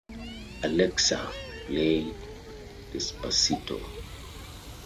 Alexa, play despacito